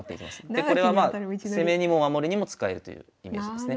でこれはまあ攻めにも守りにも使えるというイメージですね。